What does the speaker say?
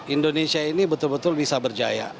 indonesia ini betul betul bisa berjaya